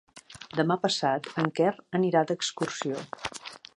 Demà passat en Quer anirà d'excursió.